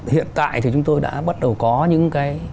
hiện tại thì chúng tôi đã bắt đầu có những cái